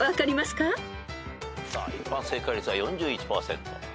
さあ一般正解率は４１％。